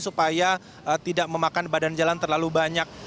supaya tidak memakan badan jalan terlalu banyak